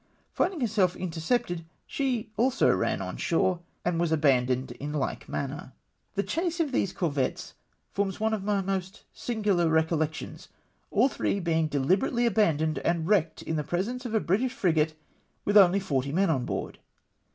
Finding herself inter cepted she also ran on shore, and was abandoned in hke manner. The chase of these corvettes forms one of my most singular recollections, all three being dehberately abandoned and wi^ecked in presence of a British frigate with only forty men on board